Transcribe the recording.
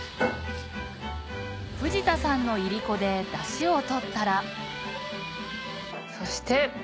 藤田さんのいりこで出汁を取ったらそして。